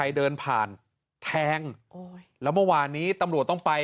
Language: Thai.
เดินผ่านแทงโอ้ยแล้วเมื่อวานนี้ตำรวจต้องไป